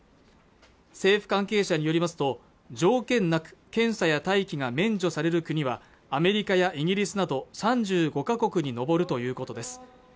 政府関係者によりますと条件なく検査や待機が免除される国はアメリカやイギリスなど３５か国に上るということです